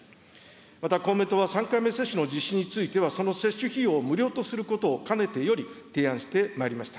また公明党は３回目接種の実施についてはその接種費用を無料とすることをかねてより提案してまいりました。